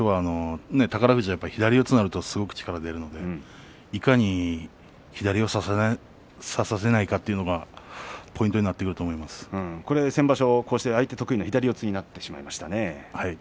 宝富士は左四つになるとすごく力が出るのでいかに左を差させないかというのがポイントに先場所は相手得意の左四つになってしまいましたね。